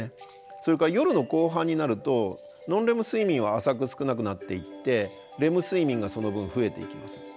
それから夜の後半になるとノンレム睡眠は浅く少なくなっていってレム睡眠がその分増えていきます。